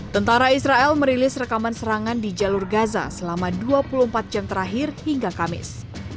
tentara israel merilis rekaman serangan di jalur gaza selama dua puluh empat jam terakhir hingga kamis